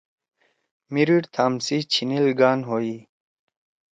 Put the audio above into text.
میِریِڈ تھام سی چھیِنیل گان ہوئی۔